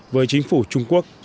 với chính phủ trung quốc